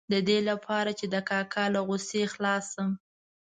د دې لپاره چې د کاکا له غوسې خلاص شم.